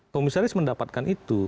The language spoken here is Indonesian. komisaris mendapatkan itu